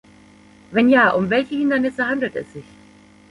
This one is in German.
Wenn ja, um welche Hindernisse handelt es sich?